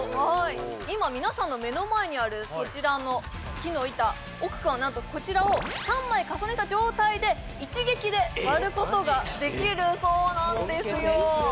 今皆さんの目の前にあるそちらの木の板奥君はなんとこちらを３枚重ねた状態で一撃で割ることができるそうなんですよ